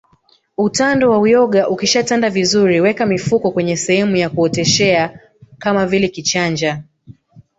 Utando wa uyoga ukishatanda vizuri weka mifuko kwenye sehemu ya kuoteshea kama vile kichanja